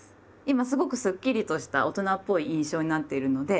今すごくスッキリとした大人っぽい印象になっているので。